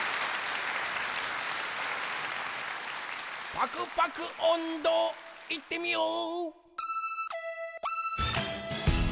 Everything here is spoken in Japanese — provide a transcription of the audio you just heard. パクパクおんど、いってみよう！